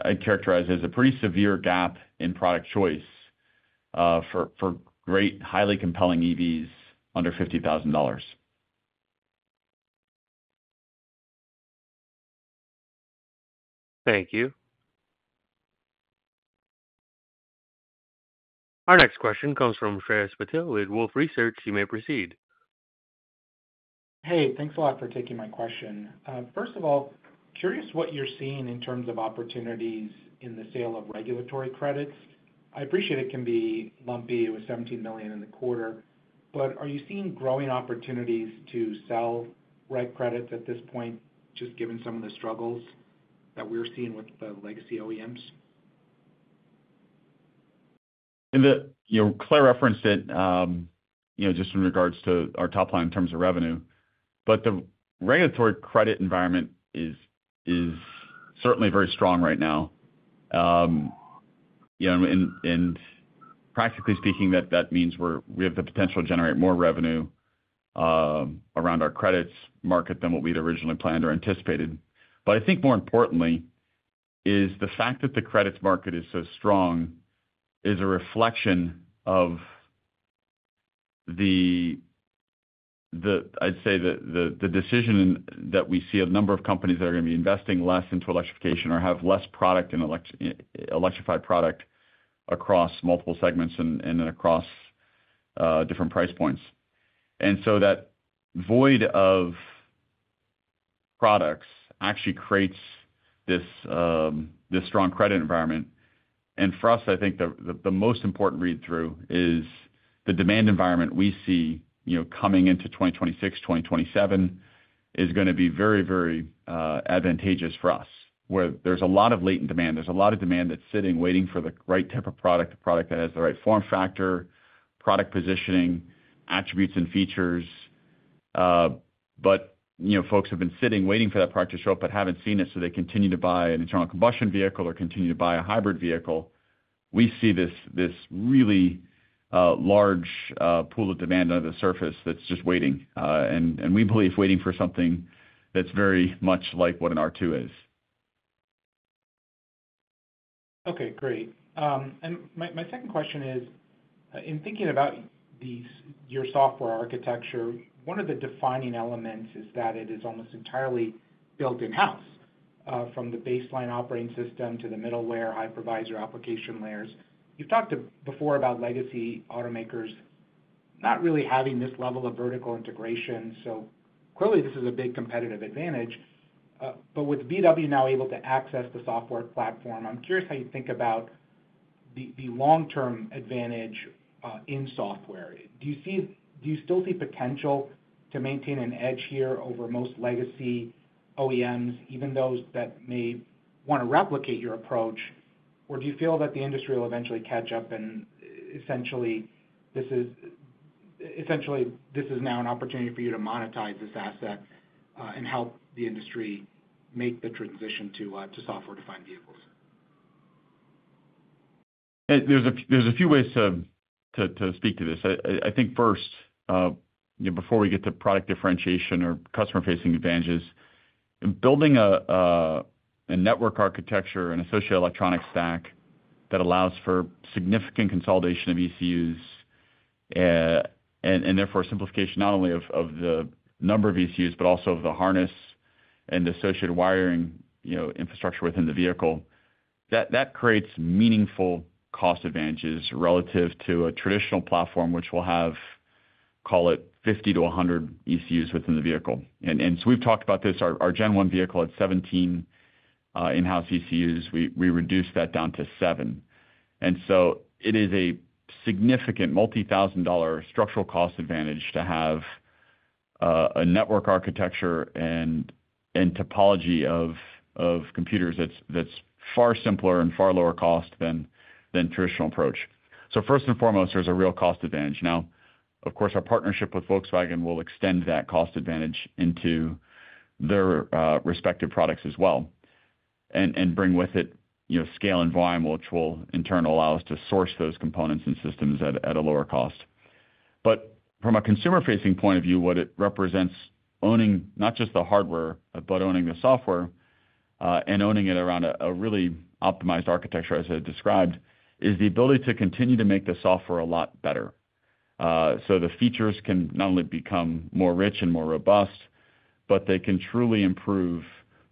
I'd characterize it as a pretty severe gap in product choice for great, highly compelling EVs under $50,000. Thank you. Our next question comes from Shreyas Patil with Wolfe Research. You may proceed. Hey, thanks a lot for taking my question. First of all, curious what you're seeing in terms of opportunities in the sale of regulatory credits. I appreciate it can be lumpy with $17 million in the quarter, but are you seeing growing opportunities to sell reg credits at this point, just given some of the struggles that we're seeing with the legacy OEMs? And you know, Claire referenced it, you know, just in regards to our top line in terms of revenue, but the regulatory credit environment is, is certainly very strong right now. You know, and practically speaking, that means we have the potential to generate more revenue around our credits market than what we'd originally planned or anticipated. But I think more importantly, is the fact that the credits market is so strong, is a reflection of the... I'd say, the decision that we see a number of companies that are going to be investing less into electrification or have less product in electrified product across multiple segments and then across different price points. And so that void of products actually creates this strong credit environment. For us, I think the most important read-through is the demand environment we see, you know, coming into 2026, 2027, is gonna be very, very advantageous for us, where there's a lot of latent demand. There's a lot of demand that's sitting, waiting for the right type of product, a product that has the right form factor, product positioning, attributes and features. But, you know, folks have been sitting, waiting for that product to show up but haven't seen it, so they continue to buy an internal combustion vehicle or continue to buy a hybrid vehicle. We see this really large pool of demand under the surface that's just waiting, and we believe waiting for something that's very much like what an R2 is. Okay, great. And my, my second question is, in thinking about these, your software architecture, one of the defining elements is that it is almost entirely built in-house, from the baseline operating system to the middleware, hypervisor, application layers. You've talked about before about legacy automakers not really having this level of vertical integration, so clearly, this is a big competitive advantage. But with VW now able to access the software platform, I'm curious how you think about the, the long-term advantage, in software. Do you still see potential to maintain an edge here over most legacy OEMs, even those that may want to replicate your approach? Or do you feel that the industry will eventually catch up, and essentially, this is now an opportunity for you to monetize this asset, and help the industry make the transition to, to software-defined vehicles? There's a few ways to speak to this. I think first, you know, before we get to product differentiation or customer-facing advantages, in building a network architecture and associated electronic stack that allows for significant consolidation of ECUs, and therefore a simplification not only of the number of ECUs, but also of the harness and the associated wiring, you know, infrastructure within the vehicle, that creates meaningful cost advantages relative to a traditional platform, which will have, call it, 50-100 ECUs within the vehicle. And so we've talked about this. Our gen one vehicle at 17 in-house ECUs, we reduced that down to 7. And so it is a significant multi-thousand-dollar structural cost advantage to have a network architecture and topology of computers that's far simpler and far lower cost than traditional approach. So first and foremost, there's a real cost advantage. Now, of course, our partnership with Volkswagen will extend that cost advantage into their respective products as well, and bring with it, you know, scale and volume, which will in turn allow us to source those components and systems at a lower cost. But from a consumer-facing point of view, what it represents, owning not just the hardware, but owning the software, and owning it around a really optimized architecture, as I described, is the ability to continue to make the software a lot better. So the features can not only become more rich and more robust, but they can truly improve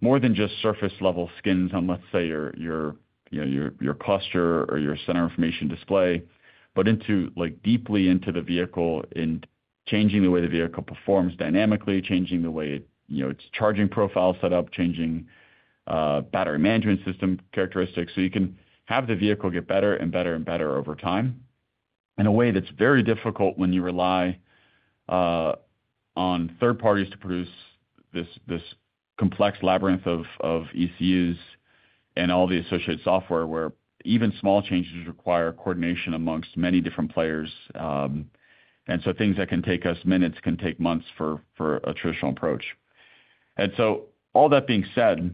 more than just surface-level skins on, let's say, your, you know, your cluster or your center information display, but into—like, deeply into the vehicle in changing the way the vehicle performs dynamically, changing the way, you know, its charging profile is set up, changing battery management system characteristics. So you can have the vehicle get better and better and better over time, in a way that's very difficult when you rely on third parties to produce this complex labyrinth of ECUs and all the associated software, where even small changes require coordination amongst many different players. And so things that can take us minutes can take months for a traditional approach. And so all that being said,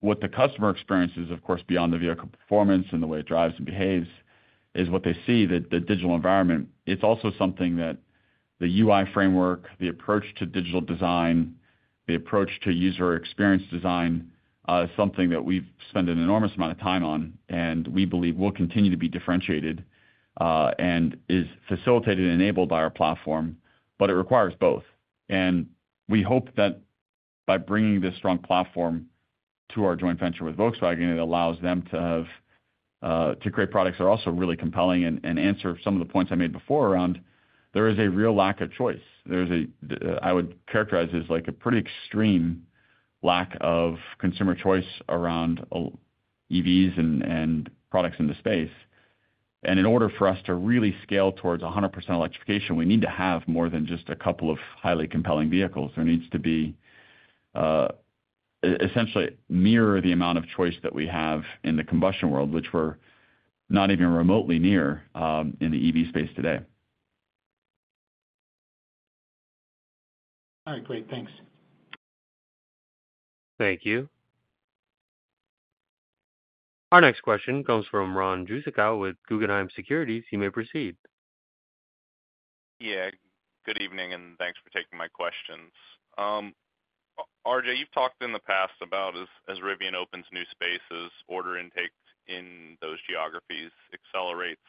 what the customer experiences, of course, beyond the vehicle performance and the way it drives and behaves, is what they see, the, the digital environment. It's also something that the UI framework, the approach to digital design, the approach to user experience design, is something that we've spent an enormous amount of time on, and we believe will continue to be differentiated, and is facilitated and enabled by our platform, but it requires both. And we hope that by bringing this strong platform to our joint venture with Volkswagen, it allows them to have, to create products that are also really compelling and, and answer some of the points I made before around, there is a real lack of choice. There's a, I would characterize it as like a pretty extreme lack of consumer choice around EVs and products in the space. And in order for us to really scale towards 100% electrification, we need to have more than just a couple of highly compelling vehicles. There needs to be essentially mirror the amount of choice that we have in the combustion world, which we're not even remotely near in the EV space today. All right, great. Thanks. Thank you. Our next question comes from Ron Jewsikow with Guggenheim Securities. You may proceed. Yeah, good evening, and thanks for taking my questions. RJ, you've talked in the past about as Rivian opens new Spaces, order intakes in those geographies accelerates.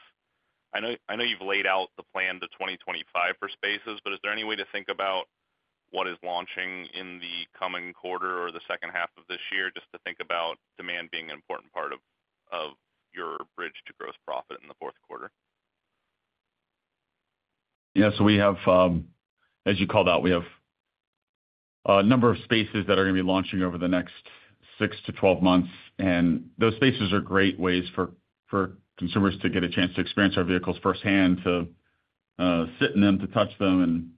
I know, I know you've laid out the plan to 2025 for Spaces, but is there any way to think about what is launching in the coming quarter or the second half of this year, just to think about demand being an important part of your bridge to gross profit in the fourth quarter? Yeah, so we have, as you called out, we have a number of Spaces that are gonna be launching over the next 6-12 months, and those Spaces are great ways for, for consumers to get a chance to experience our vehicles firsthand, to, sit in them, to touch them, and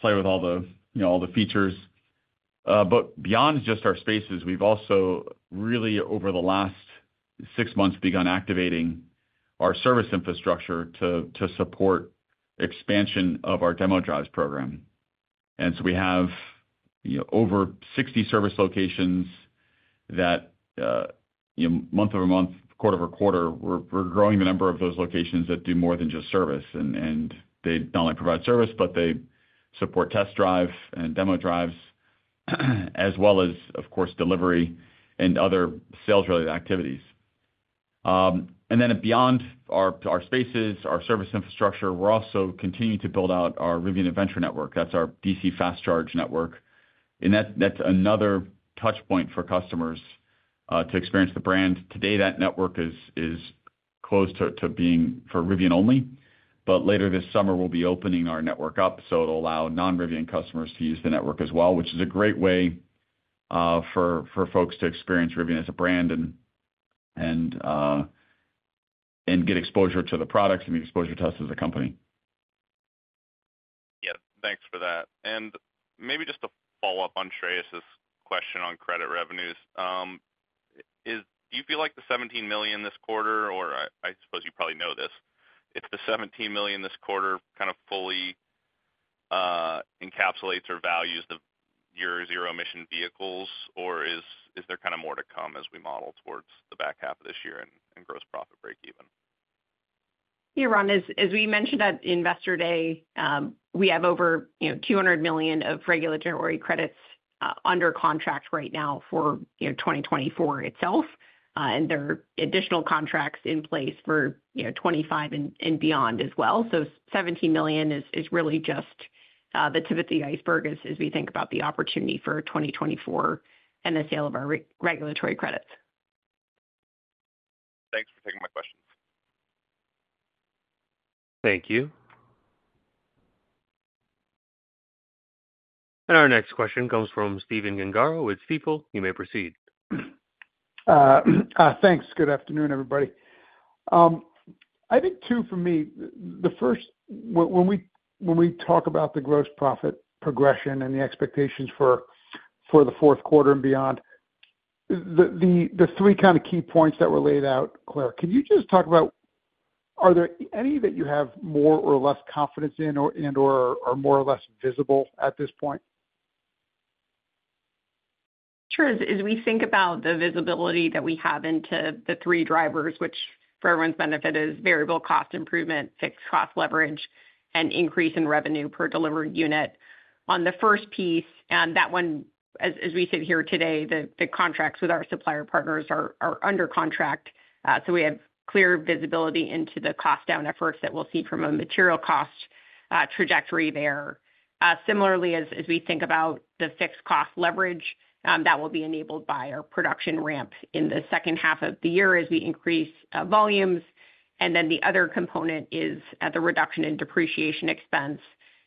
play with all the, you know, all the features. But beyond just our Spaces, we've also really, over the last 6 months, begun activating our service infrastructure to, to support expansion of our demo drives program. And so we have, you know, over 60 service locations that, you know, month-over-month, quarter-over-quarter, we're, we're growing the number of those locations that do more than just service. And they not only provide service, but they support test drive and demo drives, as well as, of course, delivery and other sales-related activities. And then beyond our Spaces, our service infrastructure, we're also continuing to build out our Rivian Adventure Network. That's our DC fast charge network. And that's another touch point for customers to experience the brand. Today, that network is close to being for Rivian only, but later this summer, we'll be opening our network up, so it'll allow non-Rivian customers to use the network as well, which is a great way for folks to experience Rivian as a brand and get exposure to the products and get exposure to us as a company. Yeah. Thanks for that. Maybe just to follow up on Shreyas' question on credit revenues. Do you feel like the $17 million this quarter, or I suppose you probably know this, if the $17 million this quarter kind of fully encapsulates or values the year zero emission vehicles, or is there kind of more to come as we model towards the back half of this year and gross profit break even? Yeah, Ron, as we mentioned at Investor Day, we have over, you know, $200 million of regulatory credits under contract right now for, you know, 2024 itself. And there are additional contracts in place for, you know, 2025 and beyond as well. So $17 million is really just the tip of the iceberg as we think about the opportunity for 2024 and the sale of our regulatory credits. Thanks for taking my questions. Thank you. Our next question comes from Stephen Gengaro with Stifel. You may proceed. Thanks. Good afternoon, everybody. I think two for me, the first, when we talk about the gross profit progression and the expectations for the fourth quarter and beyond, the three kind of key points that were laid out, Claire, can you just talk about are there any that you have more or less confidence in or and/or are more or less visible at this point? Sure. As we think about the visibility that we have into the three drivers, which for everyone's benefit, is variable cost improvement, fixed cost leverage, and increase in revenue per delivered unit. On the first piece, and that one, as we sit here today, the contracts with our supplier partners are under contract, so we have clear visibility into the cost down efforts that we'll see from a material cost trajectory there. Similarly, as we think about the fixed cost leverage, that will be enabled by our production ramp in the second half of the year as we increase volumes. And then the other component is at the reduction in depreciation expense.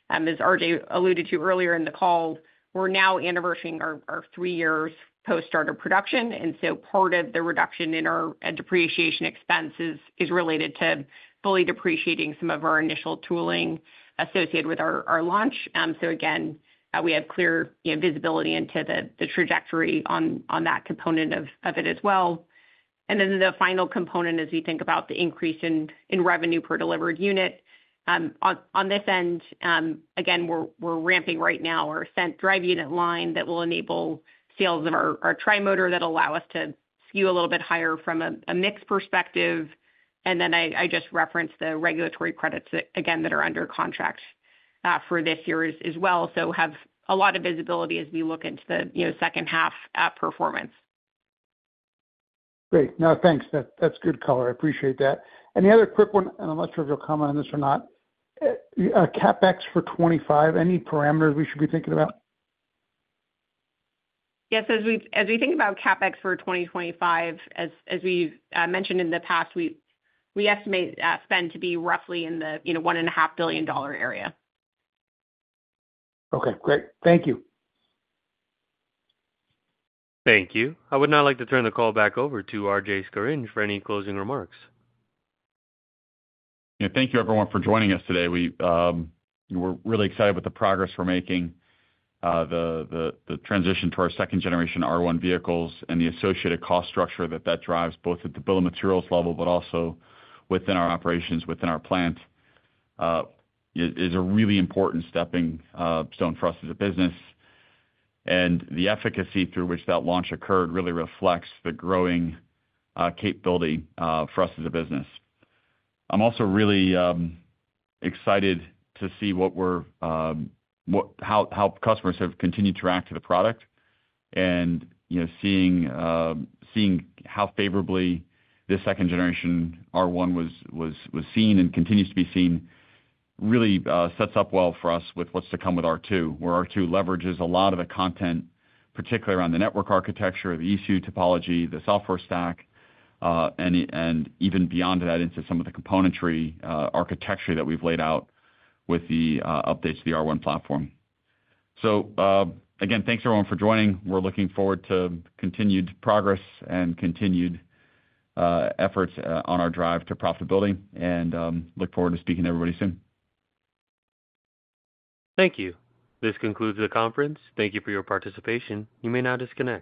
As RJ alluded to earlier in the call, we're now anniversarying our three years post start of production, and so part of the reduction in our depreciation expense is related to fully depreciating some of our initial tooling associated with our launch. So again, we have clear, you know, visibility into the trajectory on that component of it as well. And then the final component, as we think about the increase in revenue per delivered unit, on this end, again, we're ramping right now our Ascend drive unit line that will enable sales of our Tri-Motor that allow us to skew a little bit higher from a mix perspective. And then I just referenced the regulatory credits that, again, that are under contract for this year as well. So have a lot of visibility as we look into the, you know, second half performance. Great. No, thanks. That, that's good color. I appreciate that. Any other quick one, and I'm not sure if you'll comment on this or not, CapEx for 2025, any parameters we should be thinking about? Yes, as we think about CapEx for 2025, as we've mentioned in the past, we estimate spend to be roughly in the, you know, $1.5 billion dollar area. Okay, great. Thank you. Thank you. I would now like to turn the call back over to RJ Scaringe for any closing remarks. Yeah, thank you everyone for joining us today. We're really excited with the progress we're making, the transition to our second generation R1 vehicles and the associated cost structure that drives, both at the bill of materials level, but also within our operations, within our plant, is a really important stepping stone for us as a business. And the efficacy through which that launch occurred really reflects the growing capability for us as a business. I'm also really excited to see how customers have continued to react to the product. You know, seeing how favorably this second generation R1 was seen and continues to be seen really sets up well for us with what's to come with R2, where R2 leverages a lot of the content, particularly around the network architecture, the ECU topology, the software stack, and even beyond that, into some of the componentry architecture that we've laid out with the updates to the R1 platform. So, again, thanks, everyone, for joining. We're looking forward to continued progress and continued efforts on our drive to profitability and look forward to speaking to everybody soon. Thank you. This concludes the conference. Thank you for your participation. You may now disconnect.